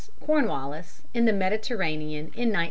"Cornwallis" in the Mediterranean in 1917.